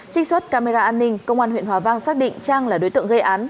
trích xuất camera an ninh công an huyện hòa vang xác định trang là đối tượng gây án